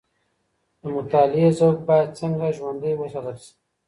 د مطالعې ذوق باید څنګه ژوندی وساتل سي؟